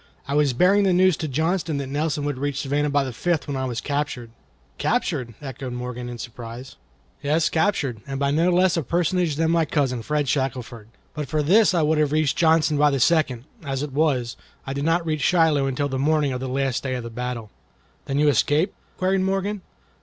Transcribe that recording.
I was bearing the news to Johnston that Nelson would reach Savannah by the fifth when I was captured." "Captured?" echoed Morgan, in surprise. "Yes, captured, and by no less a personage than my cousin Fred Shackelford. But for this I would have reached Johnston by the second; as it was, I did not reach Shiloh until the morning of the last day of the battle." "Then you escaped?" queried Morgan.